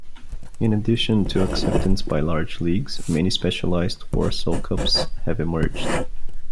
In addition to acceptance by large leagues, many specialized "Warsow" cups have emerged.